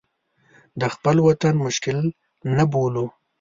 د خپل وطن مشکل نه بولو.